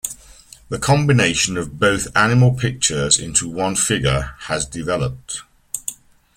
The combination of both animal pictures into one figure has developed.